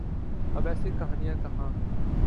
اب ایسی کہانیاں کہاں۔